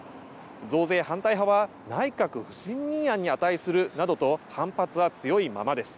増税反対派は内閣不信任案に値するなどと反発は強いままです。